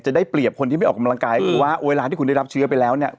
ได้เปรียบคนที่ไม่ออกกำลังกายคือว่าเวลาที่คุณได้รับเชื้อไปแล้วเนี่ย